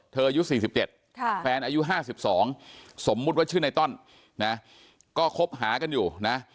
อายุ๔๗แฟนอายุ๕๒สมมุติว่าชื่อในต้อนนะก็คบหากันอยู่นะ